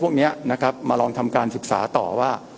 ประมาณแบบนี้มาลองทำการศึกษาต่อว่า